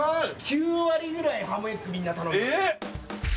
９割ぐらいハムエッグみんな頼んでます。